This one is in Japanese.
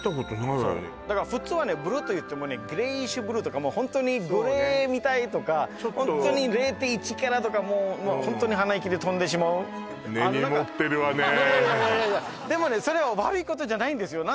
そう普通はブルーといってもねグレイッシュブルーとかホントにグレーみたいとかホントに０．１カラットとかホントに鼻息で飛んでしまう根に持ってるわねいやいやでもねそれは悪いことじゃないんですよ